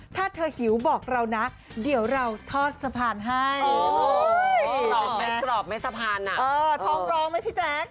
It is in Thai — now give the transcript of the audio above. ถ้าเธอหิวบอกเรานะเดี๋ยวเราทอดสะพานให้